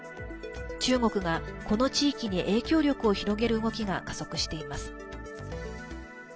中国が、この地域に影響力を広げる動きが加速しています。